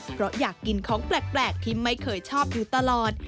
เพราะอยากกินของแปลกที่ไม่เคยชอบอยู่ตลอด